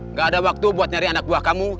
nggak ada waktu buat nyari anak buah kamu